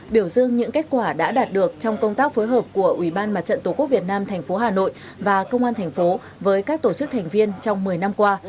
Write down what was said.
biểu dương những kết quả đã đạt được trong công tác phối hợp của ủy ban mặt trận tổ quốc việt nam thành phố hà nội và công an thành phố với các tổ chức thành viên trong một mươi năm qua